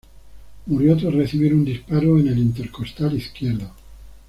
Murió tras recibir un disparo en el intercostal izquierdo.